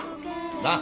なっ。